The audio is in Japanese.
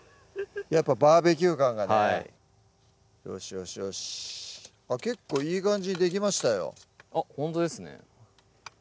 やっぱバーベキュー感がねはいよしよしよし結構いい感じでできましたよあっほんとですね